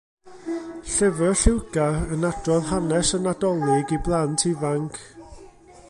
Llyfr lliwgar yn adrodd hanes y Nadolig i blant ifanc.